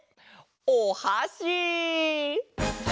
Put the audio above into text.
おはし！